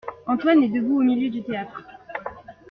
Antoine est debout au milieu du théâtre.